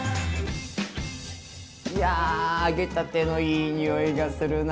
いや揚げたてのいい匂いがするな。